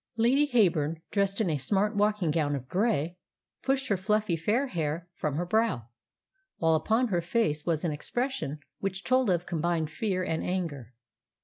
Lady Heyburn, dressed in a smart walking gown of grey, pushed her fluffy fair hair from her brow, while upon her face was an expression which told of combined fear and anger.